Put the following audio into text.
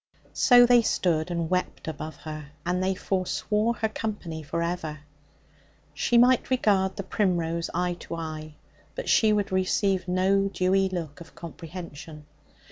So they stood and wept above her, and they foreswore her company for ever. She might regard the primrose eye to eye, but she would receive no dewy look of comprehension.